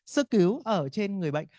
sơ cứu ở trên người bệnh